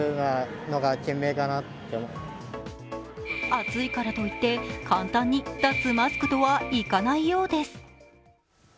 暑いからといって簡単に脱マスクとはいかないようです。